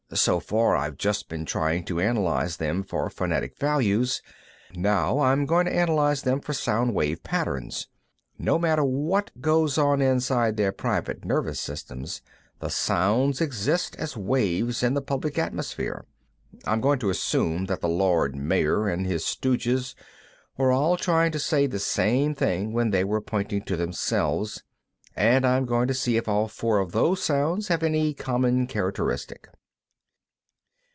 "So far, I've just been trying to analyze them for phonetic values. Now I'm going to analyze them for sound wave patterns. No matter what goes on inside their private nervous systems, the sounds exist as waves in the public atmosphere. I'm going to assume that the Lord Mayor and his stooges were all trying to say the same thing when they were pointing to themselves, and I'm going to see if all four of those sounds have any common characteristic."